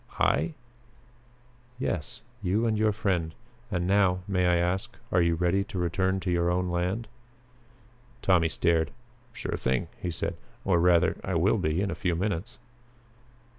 "I?" "Yes. You and your friend. And now, may I ask, are you ready to return to your own land?" Tommy stared. "Sure thing," he said, "or rather, I will be in a few minutes."